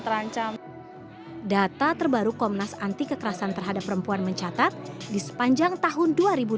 mencambang data terbaru komnas anti kekerasan terhadap perempuan mencatat di sepanjang tahun